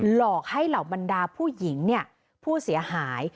หลอกให้เหล่าบรรดาผู้หญิงเนี่ยผู้เสียหาย